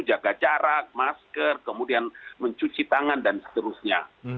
jaga jarak masker kemudian mencuci tangan dan seterusnya